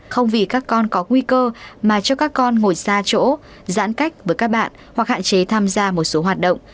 không vì các con có nguy cơ mà cho các con ngồi xa chỗ giãn cách với các bạn hoặc hạn chế tham gia một số hoạt động